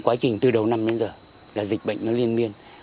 quá trình từ đầu năm đến giờ là dịch bệnh nó liên miên